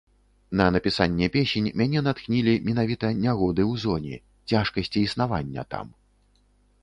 На напісанне песень мяне натхнілі менавіта нягоды ў зоне, цяжкасці існавання там.